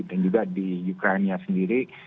dan juga di ukraina sendiri